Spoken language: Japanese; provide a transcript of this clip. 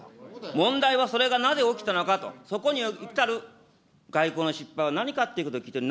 問題はそれがなぜ起きたのかと、そこに至る外交の失敗は何かっていうことを聞いている。